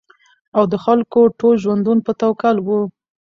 او د خلکو ټول ژوندون په توکل وو